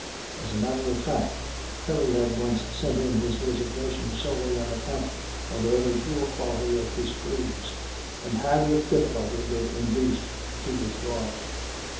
As a matter of fact Perry had once sent in his resignation solely on account of the very poor quality of his crews, and had with difficulty been induced to withdraw it.